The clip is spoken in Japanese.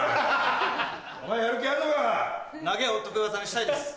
投げを得意技にしたいです。